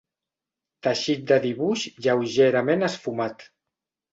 Teixit de dibuix lleugerament esfumat.